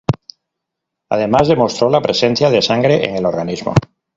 Además demostró la presencia de sangre en el organismo.